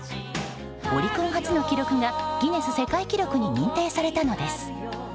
オリコン初の記録がギネス世界記録に認定されたのです。